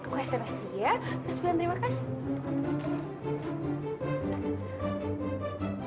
gue sms dia terus bilang terima kasih